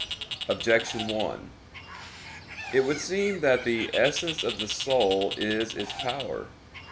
Objection 1: It would seem that the essence of the soul is its power.